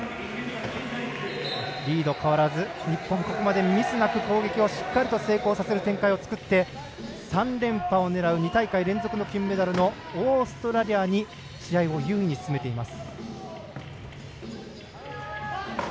リード変わらず、日本ここまでミスなく攻撃をしっかりさせる展開を作って３連覇を狙う２大会連続の金メダルのオーストラリアに試合を優位に進めています。